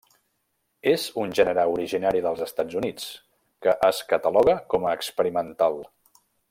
És un gènere originari dels Estats Units, que es cataloga com a experimental.